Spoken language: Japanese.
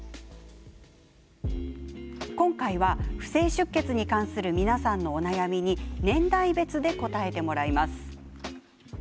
今回は、不正出血に関する皆さんのお悩みに年代別で答えてもらいます。